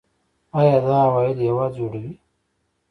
آیا دا عواید هیواد جوړوي؟